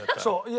そう。